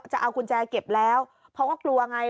จะเอากุญแจเก็บแล้วเพราะก็กลัวไง